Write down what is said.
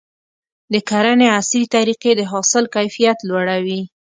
د کرنې عصري طریقې د حاصل کیفیت لوړوي.